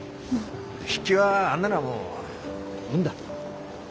筆記はあんなのはもう運だ。